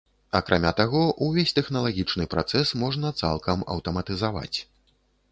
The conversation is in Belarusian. Акрамя таго, увесь тэхналагічны працэс можна цалкам аўтаматызаваць.